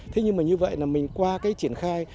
thế nhưng mà như vậy là mình qua cái triển khai